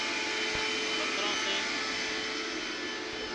ٻڪران سي